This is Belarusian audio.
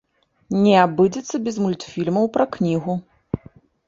Не абыдзецца без мультфільмаў пра кнігу.